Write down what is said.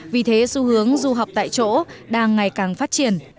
vì thế xu hướng du học tại chỗ đang ngày càng phát triển